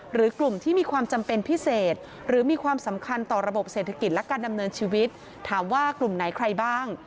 หรือกลุ่มที่มีความจำเป็นพิเศษหรือมีความสำคัญต่อระบบเศรษฐกิจและการดำเนินชีวิตถามว่ากลุ่มไหนใครบ้าง